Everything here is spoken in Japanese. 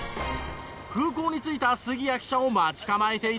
空港に着いた杉谷記者を待ち構えていたのは。